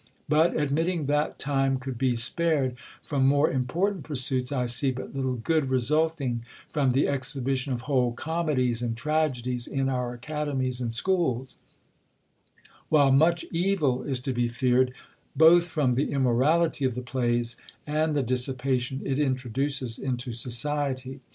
But, admitting that time could be spared from more important pursuits, 1 see but little good resulting from the exhibition of whole comedies and tragedies in our academies and schools ; while much evil is to be feared, both from the inimorality of the plays, and the dissipation it introduces into society.